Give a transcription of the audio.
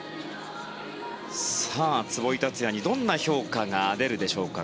壷井達也にどんな評価が出るでしょうか。